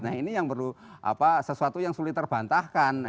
nah ini yang perlu sesuatu yang sulit terbantahkan